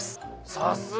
さすが！